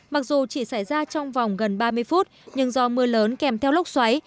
mặc dù chỉ xảy ra trong vòng gần ba mươi phút nhưng do mưa lớn kèm theo lốc xoáy